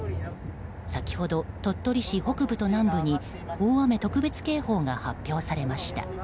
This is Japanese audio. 先ほど鳥取市北部と南部に大雨特別警報が発表されました。